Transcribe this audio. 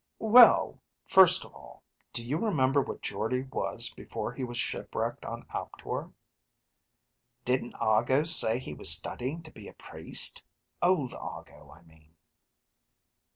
"Well, first of all; do you remember what Jordde was before he was shipwrecked on Aptor?" "Didn't Argo say he was studying to be a priest. Old Argo, I mean."